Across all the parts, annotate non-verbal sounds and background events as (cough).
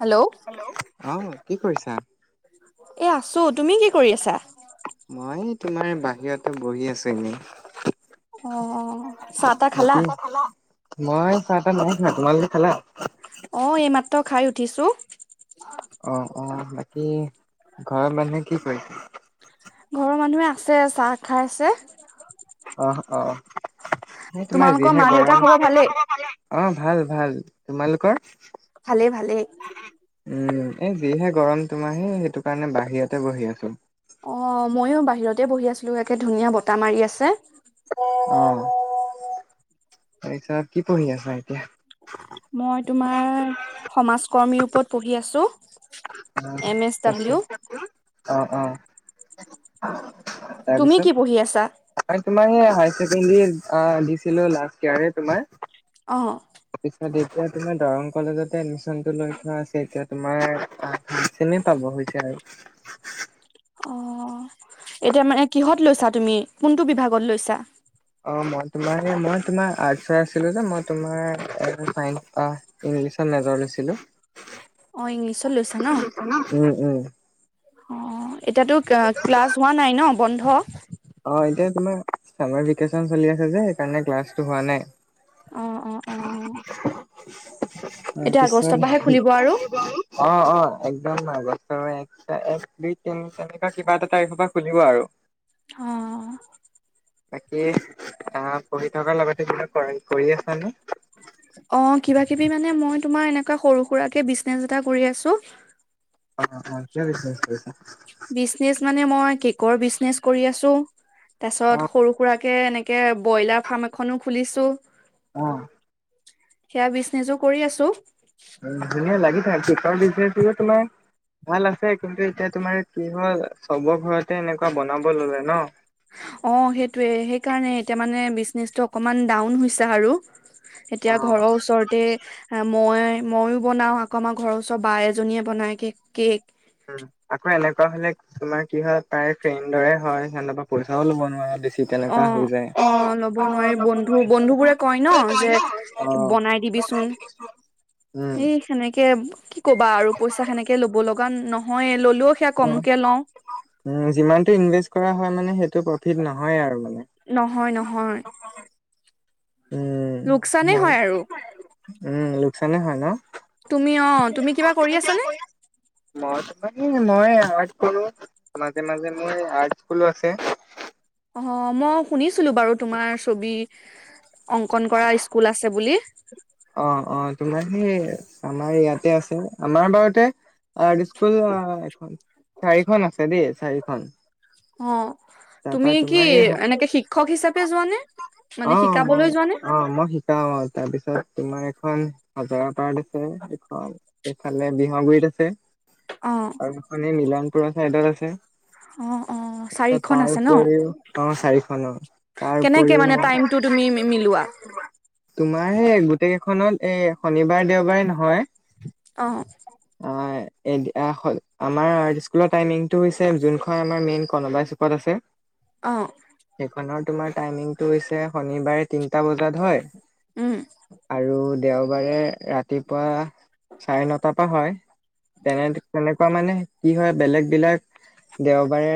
Hello hello. অ, কি কৰিছা? এ আছো। তুমি কি কৰি আছা? মই তোমাৰ এ বাহিৰতে বহি আছো এনে। অ, চাহ-তাহ খালা? মই চাহ-তাহ নাই খোৱা। তোমালোকে খালা? অ, এইমাত্ৰ খাই উঠিছো। অ-অ। বাকী ঘৰৰ মানুহে কি কৰিছে? ঘৰৰ মানুহে আছে চাহ খাই আছে। অহ, অ সেই তোমাৰ তোমালোকৰ যিহে মা গৰম, দেউতাৰ তোমালোকৰ খবৰ মা-দেউতাৰ ভালেই? খবৰ ভালে? অ, ভাল, ভাল। তোমালোকৰ? ভালেই, ভালেই। উম, এই যিহে গৰম তোমাৰ সে সেইটো কাৰণে বাহিৰতে বহি আছো। অ, ময়ো বাহিৰতে বহি আছিলো। একে ধুনীয়া বতাহ মাৰি আছে। অ, তাপিছত কি পঢ়ি আছা এতিয়া? মই তোমাৰ সমাজ কৰ্মীৰ ওপৰত পঢ়ি আছো। M S W. অ, অ, অ। তুমি কি পঢ়ি আছা? মই তোমাৰ সেইয়া হায় ছেকেণ্ডৰী আ দিছিলো লাষ্ট ইয়াৰে তোমাৰ। অ। তাৰপিছত এতিয়া তোমাৰ দৰং কলেজতে এডমিচনটো লৈ থোৱা আছে। এতিয়া তোমাৰ চিনে পাব হৈছে আৰু। অ, এতিয়া মানে কিহত লৈছা তুমি? কোনটো বিভাগত লৈছা? অ মই তোমাৰ সেই মই তোমাৰ আৰ্টচৰ আছিলো যে মই তোমাৰ (unintelligible) ইংলিছত মেজৰ লৈছিলো। অ ইংলিছত লৈছা ন? উম, উম। অ, এতিয়াটো অ ক্লাছ হোৱা নাই ন বন্ধ? অ এতিয়া তোমাৰ চামাৰ ভেকেচন চলি আছে যে সেইকাৰণে ক্লাছটো হোৱা নাই। অ-অ-অ। এতিয়া আগষ্টৰ তাৰপিছত পৰাহে খুলিব আৰু। অ-অ একদম আগষ্ট (unintelligible) চা এক, দুই, তিন, চাৰি তেনেকুৱা কিবা এটা তাৰিখৰ পৰা খুলিব আৰু। অ। বাকী আ পঢ়ি থকাৰ লগতে কিবা কৰা কৰি আছানে? অ কিবা কিবি মানে মই তোমাৰ এনেকুৱা সৰু সুৰাকে বিজনেছ এটা কৰি আছো। অ হয়, কিহৰ বিজনেছ কৰিছা? বিজনেছ মানে মই কেকৰ বিজনেছ কৰি আছো। তাৰ অ পিছত সৰু-সুৰা কে এনেকে ব্ৰইলাৰ ফাৰ্ম এখনো খুলিছো। অহ। সেয়া বিজনেছো কৰি আছো। উ ধুনীয়া লাগি থাকা। কেকৰ বিজনেজটোহে তোমাৰ ভাল আছে কিন্তু এতিয়া তোমাৰ কি হ'ল চবৰ ঘৰতে এনেকুৱা বনাব ললে ন। অ সেইটোৱে সেইকাৰণে এতিয়া মানে বিজনেচটো অকমান ডাউন হৈছে আৰু। এতিয়া ঘৰৰ উম ওচৰত তে মই মইও বনাও আকৌ আমাৰ ঘৰৰ ওচৰৰ বা এজনীয়ে বনাই কে কেক। উম আকৌ এনেকোৱা হ'লে তোমাৰ কি হয় প্ৰায় ফ্ৰেণ্ডৰে হয় সিহঁতৰ পৰা পইচাও ল'ব নোৱাৰে বেছি। ঠিক অ তেনেকোৱা হৈ যায়। অ ল'ব নোৱাৰি অ লব বন্ধু নোৱাৰি বন্ধু বোৰে কয় ন বহুতে যে কয় ন যে অ বনাই দিবিচোন বনাই দি কৰিছ অ। এই সেনেকে কি ক'বা আৰু পইচা সেনে কে ল'ব লগা নহয়ে, ল'লেও সেয়া কমকে লও। উম যিমানটো ইনভেষ্ট কৰা হয় মানে সেইটো প্ৰফিট নহয়েই আৰু মানে নহয় নহয়। উম, লোকচানে মই হয় আৰু উম লোকচানে হয় ন অ তুমি কিবা কৰি আছানে? মই তোমাৰে মই আৰ্ট কৰো মাজে মাজে মোৰ আৰ্ট স্কুলো আছে। অ মই শুনিছিলো বাৰু তোমাৰ ছবি অংকন কৰা স্কুল আছে বুলি। অ অ তোমাৰ সেই আমাৰ ইয়াতে আছে আমাৰ বাৰতে আৰ্ট স্কুল আ এখন চাৰিখন আছে দেই চাৰিখন। অ তাৰপা তুমি কি তোমাৰ এই এনেকে শিক্ষক হিচাপে যোৱানে, মানে শিকাবলৈ যোৱা নে? অ মই শি কাও অ তাৰপিছত তোমাৰ এখন হজৰা পাৰ্ট আছে এখন এইফালে বিহাগুৰিত আছে। অ। মানে মিলনপুৰৰ চাইডত আছে। অ অ চাৰি তাৰ উপৰিও অ চাৰিখন অ। কেনেকে মানে টাইমটো তুমি মি মিলোৱা? তোমাৰ সে গোটেই কেইখনত এ শনিবাৰ দেওবাৰে নহয় অ। অ এ এয়া আমাৰ আৰ্ট স্কুলৰ টাইমিংটো হৈছে যোনখন আমাৰ মেইনখন বাইছো কত আছে অ সেইখনৰ তোমাৰ টাইমিংটো হৈছে শনিবাৰে তিনিটা বজাত হয় উম আৰু দেওবাৰে ৰাতিপুৱা চাৰে নটাৰ পৰা হয়। তেনে তেনেকোৱা মানে কি হয় বেলেগ বিলাক দেওবাৰে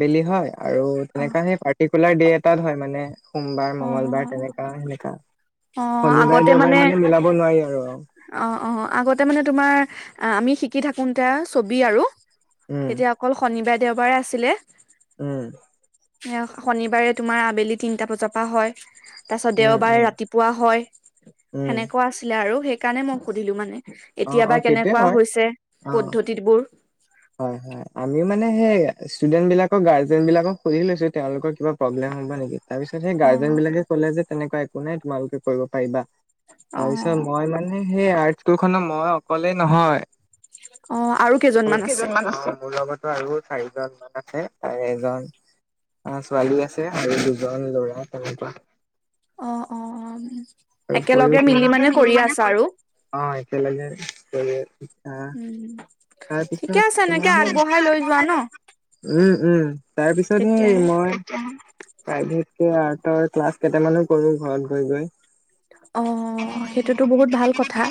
বেলি হয় আৰু অ তেনেকা সেই পাৰ্টিকুলাৰ ডে এটাত হয় মানে। সোমবাৰ অ মংগলবাৰ তেনেকা সেনেকা অ শনিবাৰে আগতে দেওবাৰে মানে মিলাব নোৱাৰি আৰু অ। অ অ আগতে মানে তোমাৰ আমি শিকি থাকোতে ছবি আৰু উম তেতিয়া অকল শনিবাৰে দেওবাৰে আছিলে। উম। সেয়া শনিবাৰে তোমাৰ আবেলি তিনিটা বজাৰ পৰা হয়। তাৰপাছত উম উম দেওবাৰে ৰাতিপুৱা হয় উম, সেনেকোৱা আছিলে আৰু সেইকাৰণে মই সুধিলো মানে। অ', অ', এতিয়াবা সেইটোৱে কেনেকোৱা হয়, হৈছে অ', পদ্ধতিবোৰ। হয় হয়। আমিও মানে সেই ষ্টুডেন্ট বিলাকক গাৰ্জেন বিলাকক সুধি লৈছো তেওঁলোকৰ কিবা প্ৰব্লেম হ'ব নেকি। তাৰপিছত সেই অ গাৰ্জেন বিলাকে কলে যে তেনেকোৱা একো নাই তোমালোকে কৰিব পাৰিবা। অ তাৰপিছত মই মানে সেই আৰ্ট স্কুলখনৰ মই অকলেই নহয়। অ আৰু কেইজন কেইজনমান আছে মোৰ লগতো আৰু চাৰিজন মান আছে তাৰে এজন অ ছোৱালী আছে আৰু দুজন ল'ৰা তেনেকোৱা। অ অ আৰু একেলগে মিলি মানে কৰি অ একেলগে (unintelligible) উম তাৰ পিছত ঠিকে আছে এনেকে কোনে হে আগবঢ়াই লৈ যোৱা ন (unintelligible) উম উম তাৰপিছত সেই তেতিয়াহে মই প্ৰাইভেটকে আৰ্টৰ ক্লাছ কেইটামানো কৰো ঘৰত গৈ গৈ অ সেইটোতো বহুত ভাল কথা।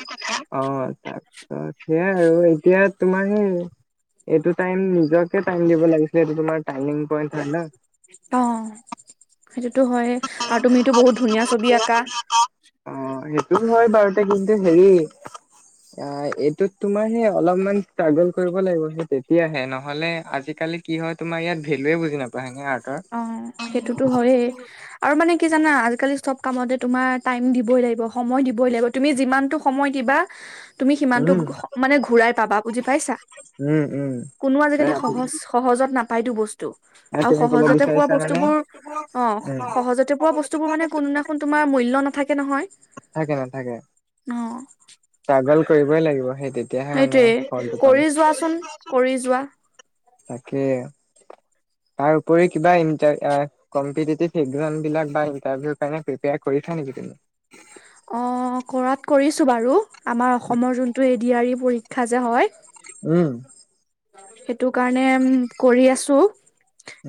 অ তাৰপিছত সেইয়াই আৰু এতিয়া তোমাৰ সেই এইটো টাইম নিজকে টাইম দিব লাগিছিল এইটো তোমাৰ টাৰ্ণিং পইন্ট হয় ন। অ সেইটোতো হয় আৰু তুমিতো বহুত ধুনীয়া ছবি আঁকা। অ সেইটো হয় বাৰুতে কিন্তু হেৰি অ এইটোত তোমাৰ সেই অলপমান ষ্ট্ৰাগল কৰিব লাগিব সেই তেতিয়াহে নহ'লে আজিকালি কি হয় তোমাৰ ইয়াত ভেলোৱে বুজি নাপায় হয়নে, আৰ্ট অ সেইটোতো হয়েই আৰু মানে কি জানা আজিকালি চব কামতে তোমাৰ টাইম দিবই লাগিব সময় দিবই লাগিব তুমি যিমানটো সময় দিবা তুমি সিমানটো উম, মানে ঘূৰাই পাবা বুজি পাইছা উম, কোনো আজিকালি উম, সহজ সহজত নাপাইতো বস্তু আৰু আও তুমি ক'ব সহজতে পোৱা বিচাৰিছা মানে উম বস্তুবোৰ অ সহজতে পোৱা বস্তুবোৰ মানে কোনোদিনাখন তোমাৰ মূল্য নাথাকে নহয় নথাকে নাথাকে অ ষ্ট্ৰাগল কৰিবই লাগিব সেইটিত সেইটোয়ে কৰি যোৱাচোন কৰি যোৱা তাকে তাৰ উপৰি কিবা ইন্টা কম্পিটেটিভ ইগ্ৰণ (unintelligible) বিলাক বা ইণ্টাৰভিউ কাৰণে প্ৰিপেয়াৰ কৰিছা নেকি তুমি অ কৰাত কৰিছোঁ বাৰু আমাৰ অসমৰ যোনটো এ ডি আৰ ই পৰীক্ষা যে হয় উম সেইটো কাৰণে কৰি আছো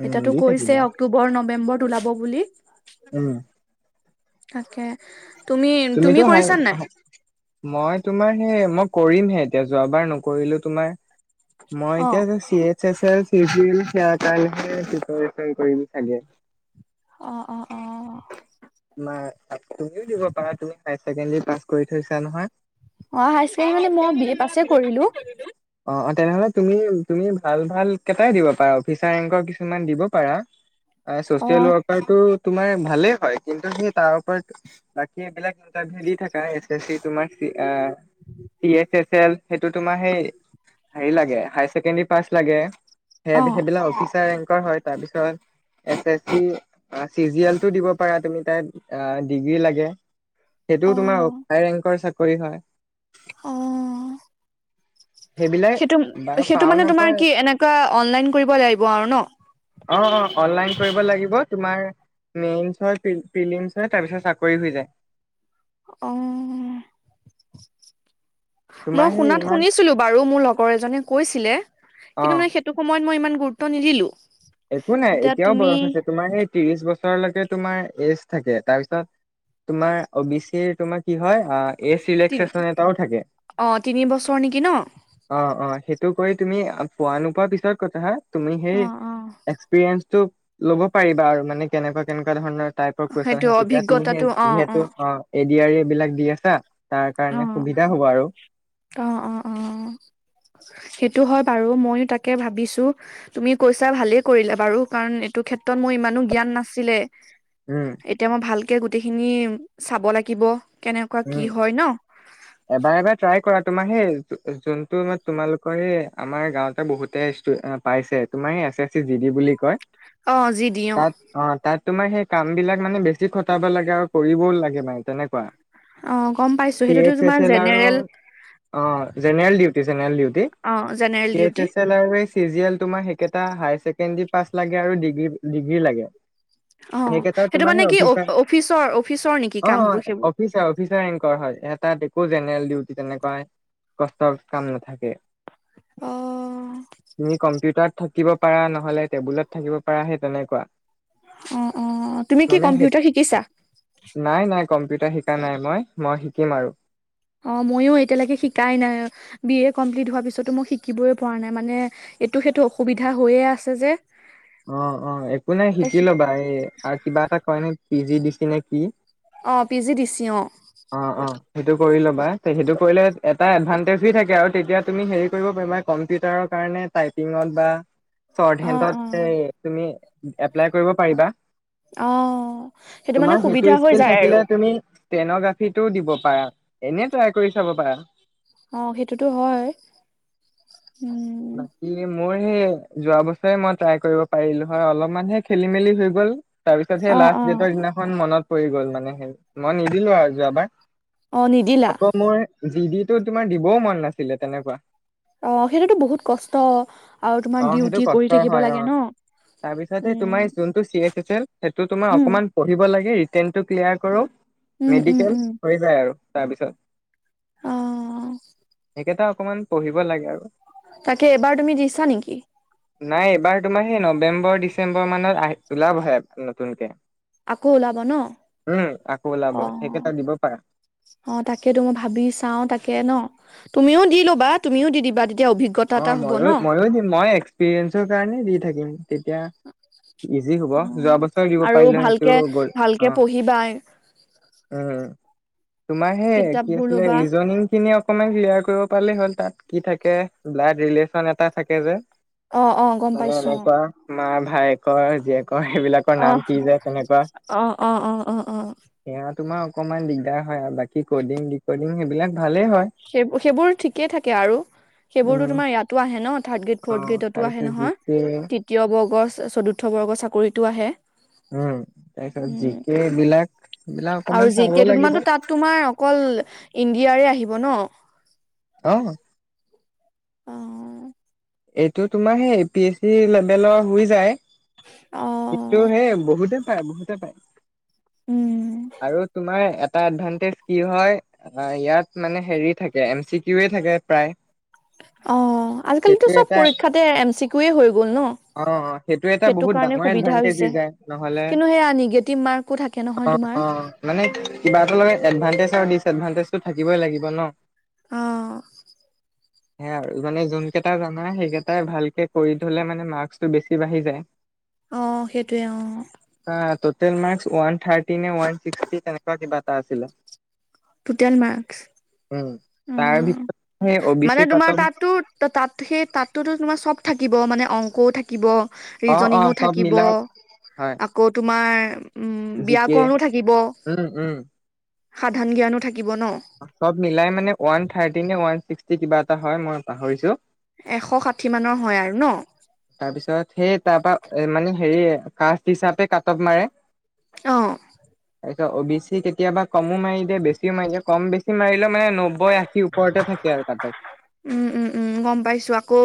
উম দি কৈছে থাকিবা অ অক্টোবৰ নৱেম্বৰত ওলাব বুলি উম তাকে তুমি তুমিতো তুমি হাই কৰিছা নাই মই তোমাৰ সেই মই কৰিমহে এতিয়া যোৱাবাৰ নকৰিলো তোমাৰ মই এতিয়া অ' যে ছিয়ে চে চেছ ইদোৱাৰিল হেয়াৰ কাৰণেহে প্ৰিপৰিছন কৰিম চাগে অ অ অ নাই তুমিও দিব পাৰা তুমি হায়াৰ ছেকেণ্ডাৰী পাছ কৰি থৈছা নহয় অ হায়াৰ চেকেণ্ডাৰী মানে মই বি এ পাছে কৰিলো অ অ তেনেহলে তুমি তুমি ভাল ভাল কেইটাই দিব পাৰা অফিচাৰ ৰেংকৰ কিছুমান দিব পাৰা চচিয়েল অ' ৱৰ্কাৰটো তোমাৰ ভালে হয় কিন্তু সেই তাৰ ওপৰত সেইবিলাক ইন্টাৰভিউ দি থাকা এচ এচ চি তোমাৰ C A, C S S L সেইটো তোমাৰ সেই হেৰি লাগে হায়াৰ ছেকেণ্ডাৰী পাছ লাগে সেই অ' সেইবিলাক অফিচাৰ ৰেংকৰ হয় তাৰপিছত S S C, C G L দিব পাৰা তুমি তাইত ডিগ্ৰী লাগে সেইটোও তোমাৰ অ' হাই ৰেংকৰ চাকৰি হয় অ সেইবিলাক সেইটো বা সেইটো পাও মানে তোমাৰ নাপাও কি এনেকুৱা অনলাইন কৰিব লাগিব আৰু ন অ অ অনলাইন কৰিব লাগিব তোমাৰ মেইস্ হয় পিলিমছ হয় তাৰপিছত চাকৰি হৈ যায় অ মই তোমাৰ সেই শুনাত ইমান শুনিছিলো বাৰু মোৰ লগৰ এজনে কৈছিলে অ কিন্তু মানে হেটো সময়ত মই ইমান গুৰুত্ব নিদিলো। একো নাই এতিয়া এতিয়াও তুমি বয়স আছে তোমাৰ এই ত্ৰিশ বছৰলৈকে তোমাৰ এজ থাকে, তাৰপিছত তোমাৰ অ বি চিৰ তোমাৰ কি হয় আ এজ তিনি চিলেকচেশ্যন এটাও থাকে। অ তিনি বছৰ নেকি ন অ অ সেইটো কৰি তুমি পোৱা নোপোৱা পিছত কথা হা‌ তুমি সেই ফেনছটো ল'ব পাৰি আৰু মানে কেনকোৱা কেনেকোৱা ধৰনৰ টাইপৰা কুৱেশন সেইটো আহে তেতিয়া তুমি অভিজ্ঞতাটো সেই অ যিহেতু অ এ ডি আৰ এইবিলাক দি আছা তাৰ কাৰণে সুবিধা হব আৰু অ অ অ সেইটো হয় বাৰু মইয়ো তাকে ভাবিছো। তুমি কৈছা ভালে কৰিলা বাৰু কাৰণ এইটো ক্ষেত্ৰত মোৰ ইমানো জ্ঞান নাছিলে। উম। এতিয়া মই ভালকে গোটেইখিনি চাব লাগিব। কেনেকুৱা কি উম। হয় ন এবাৰ এবাৰ ট্ৰাই কৰা তোমাৰ সেই যোনটো তোমালোকৰ সেই আমাৰ গাঁওঁতে বহুতে ষ্টু এ পাইছে তোমাৰ A S C G D বুলি কয় অ যি দি তাত অ তাত তোমাৰ সেই কাম বিলাক মানে বেছি খটাব লাগে আৰু কৰিবও লাগে মানে তেনেকুৱা অ গম পাইছো চি সেইটোতো এইচ এছ তোমাৰ এল আৰু জেনেৰেল অ জেনেৰেল ডউটি জেনেৰেল ডিউটি অ জেনেৰেল ডিউটি লাৰৱেজ চি জি এল তোমাৰ সেইকেইটা হাই ছেকেণ্ডী পাছ লাগে আৰু ডিগ্ৰী লাগে। অ সেইকেইটা সেইটো তোমাৰ মানে সেই কি অ অফিচাৰ অফিচৰ অফিচৰ নেকি অ কামবোৰ সেইবোৰ। অফিচাৰ অফিচাৰ ৰেংকৰ হয় তাত একো জেনেৰেল ডিউটি তেনেকুৱা কষ্ট কাম নাথাকে। অ তুমি কম্পিউটাত থাকিব পাৰা নহলে টেবুলত থাকিব পাৰা সেই তেনেকুৱা। অ অ তুমি কি মানে সেই কম্পিউটাৰ শিকিছা? নাই নাই কম্পিউটাৰ শিকা নাই মই মই শিকিম আৰু। অ মইও এতিয়ালৈকে শিকাই না- বি এ কমপ্লিট হোৱাৰ পিছতো মই শিকিবই পৰা নাই মানে এইটো সেইটো অসুবিধা হৈয়ে আছে যে। অ অ একো নাই শিকি ল'বা এই আৰু কিবা এটা কয় নি পি জি দি চি নে কি অ পি জি দি চি অ অ অ সেইটো কৰি ল'বা সেইটো কৰিলে এটা এডভানটেজি থাকে আৰু তেতিয়া তুমি হেৰি কৰিব পাৰিবা কম্পিউটাৰৰ কাৰণে টাইপিঙত বা শ্বৰ্ড অ অ হেণ্টত এ তুমি এপ্লাই কৰিব পাৰিবা। অ মানে তোমাৰ সুবিধা সেইটো হৈ স্কিল যায় আৰু থাকিলে তুমি টেনগ্ৰাফিটোও দিব পাৰা এনে ট্ৰাই কৰি চাব পাৰা। অ সেইটোতো হয়, উম। কি মোৰ সেই যোৱা বছৰে মই ট্ৰাই কৰিব পাৰিলো হয় অলপমানহে খেলি মেলি হৈ গ'ল। তাৰপিছত সেই অ অ লাষ্ট ডেটৰ দিনাখন মনত পৰি গ'ল মানে সেই মই নিদিলো আৰু যোৱাবাৰ। অ নিদিলা আকৌ মোৰ জি ডিটো তোমাৰ দিবও মন নাছিলে তেনেকুৱা। অ সেইটোতো বহুত কষ্ট আৰু তোমাৰ অ সেইটো ডিউটি কৰি কষ্টৰ থাকিব- হয় অ লাগে ন তাৰপিছত তোমাৰ উম যোনটো চি এ চে চেল সেইটো তোমাৰ উম অকমান পঢ়িব লাগে ৰিতেনটো ক্লিয়াৰ কৰক উম উম মেডিকেল উম হৈ যায় আৰু তাৰপাছত অ সেইকেইটা অকমান পঢ়িব লাগে আৰু। তাকে এবাৰ তুমি দিছা নেকি? নাই এইবাৰ তোমাৰ সেই নৱেম্বৰ ডিচেম্বৰ মানত আহি ওলাবহে নতুনকে। আকৌ ওলাব ন? উম আকৌ ওলাব অ সেইকেইটা দিব পাৰা। অ তাকেতো মই ভাবি চাও তাকে ন, তুমিও দি লবা তুমিও দি দিবা তেতিয়া অভিজ্ঞ- অ ময়ো মইয়ো দিম মই এক্সপিৰিয়েঞ্চৰ কাৰণে দি থাকিম তেতিয়া ইজি হব যোৱা বছৰ দিব আৰু পাৰিলে ভালকে সেইটো গ'ল ভালকে অহ। পঢ়িবা উম, তোমাৰ সে কিতাপ কি বোৰ আছিলে ল'বা ৰিজনিং খিনিয়ক অকনমান ক্লিয়াৰ কৰিব পালে হ'ল তাত কি থাকৈ ব্লাড ৰিলেশ্বন এটা থাকে যে। অ অ গম মানে পাইছো এনেকুৱা মা ভায়েকৰ জীয়েকৰ সেইবিলাক অহ অ অ অ অ অ সেয়া তোমাৰ অকমান দিগদাৰ হয় আৰু বাকী কডিং ডিকডিং সেইবিলাক ভালেই হয়। সেই সেইবোৰ ঠিকেই থাকে আৰু সেইবোৰতো উম তোমাৰ ইয়াতো আহে ন থাৰ্ড গ্ৰেড অ ফ'ৰ্থ গ্ৰেডতো আহে তাৰপিছত জি নহয়। কে তৃতীয় বৰ্গৰ চতুৰ্থ বৰ্গৰ চাকৰিটো আহে। উম তাৰ পিছত জি উম কে এইবিলাক এইবিলাক আৰু অকমান জি চাব কেটো লাগিব। তোমাৰতো তাত তোমাৰ অকল ইণ্ডিয়াৰে আহিব ন। অ, উম এইটো তোমাৰ সেই এ পি এছ চি লেভেলৰ হৈ যায়। অ কিন্তু সেই বহুতে পায় বহুতে পায়। উম, আৰু তোমাৰ এটা এডভানটেজ কি হয় আ, ইয়াত মানে হেৰি থাকে এম চি কিউয়ে থাকে প্ৰায়। অহ, আজিকালিতো সেইটো চব এটা পৰীক্ষাতে এম চি কিউয়ে হৈ গ'ল ন। অ অ এটা সেইটো বহুত কাৰণে ডাঙৰ সুবিধা এডভান্টেজ হৈ হৈছে যায় নহলে কিন্তু সেয়া নিগেটিভ মাৰ্কো থাকে নহয় তোমাৰ। অহ, মানে কিবা এটাৰ লগত এডভানটেজ আৰু ডিচএডভানটেজটো থাকিবই লাগিব ন। অহ, সেয়া আৰু মানে যোনকেইটা জানা সেইকেইটাই ভালকে কৰি থলে মানে মাৰ্কচ টো বেছি বাঢ়ি যায়। (inaudible) অহ, সেইটোয়ে অহ। ট'টেল মাৰ্কছ ওৱান থাৰ্টি নে ওৱান ছিক্সটি তেনেকুৱা কিবা এটা আছিলে। Total marks. উম, তাৰ ভিতৰত সেই অ বি চি কাটন, ত তাত সেই তাততো তোমাৰ চব থাকিব মানে অংকও থাকিব। অ অ ৰীজনিঙো চব থাকিব মিলাই হয় আকৌ তোমাৰ, উম, জি কে ব্যয়াকৰণো থাকিব উম উম সাধন জ্ঞানো থাকিব ন। চব মিলাই মানে ওৱান থাৰ্টি নে ওৱান ছিক্সটী কিবা এটা হয় মই পাহৰিছোঁ। এশ ষাঠি মানৰ হয় আৰু ন। তাৰপিছত সেই তাৰ পা মানে হেৰি কাষ্ট হিচাপে কাট অফ মাৰে। অ, তাৰিছত অ' বি চি কেতিয়াবা কমো মাৰি বেছিও মাৰি দিয়ে কম বেছি মাৰিলে মানে নব্বৈ আ শি ওপৰতে থাকে আৰু কাট অফ। উম-উম -উম -গম পাইছো আকৌ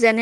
যেনে